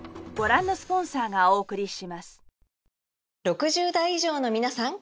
６０代以上のみなさん！